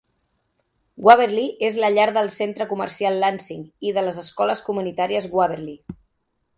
Waverly és la llar del centre comercial Lansing i de les escoles comunitàries Waverly.